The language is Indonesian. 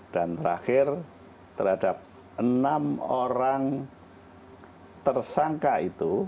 dan terakhir terhadap enam orang tersangka itu